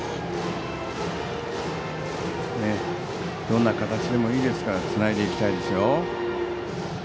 どんな形でもいいですからつないでいきたいですよ。